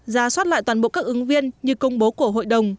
ra soát lại toàn bộ các ứng viên như công bố của hội đồng